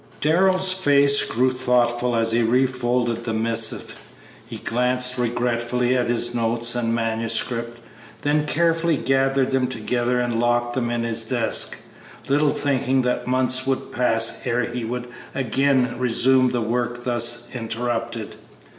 Darrell's face grew thoughtful as he refolded the missive. He glanced regretfully at his notes and manuscript, then carefully gathered them together and locked them in his desk, little thinking that months would pass ere he would again resume the work thus interrupted.